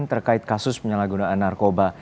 terkait kasus penyalahgunaan narkoba